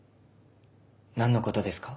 何のことですか？